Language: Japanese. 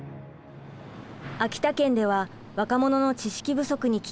秋田県では若者の知識不足に危機感を覚え